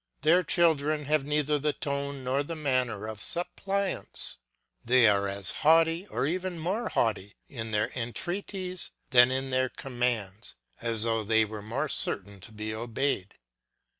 Their children have neither the tone nor the manner of suppliants; they are as haughty or even more haughty in their entreaties than in their commands, as though they were more certain to be obeyed.